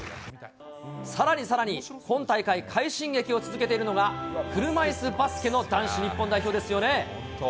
さらにさらに、今大会快進撃を続けているのが、車いすバスケの男子日本代表ですよね。